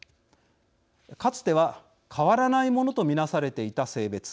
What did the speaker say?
かつては、変わらないものと見なされていた性別。